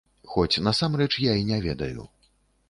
Хоць насамрэч я і не ведаю.